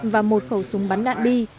và một khẩu súng bắn đạn bi